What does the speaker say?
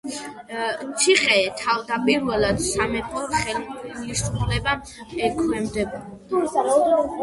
ციხე თავდაპირველად სამეფო ხელისუფლებას ექვემდებარებოდა.